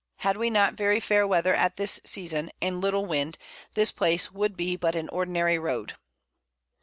Had we not very fair Weather at this Season, and little Wind, this Place would be but an ordinary Road.